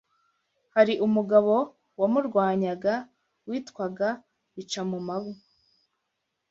Hari umugabo wamurwanyaga witwaga Bicamumango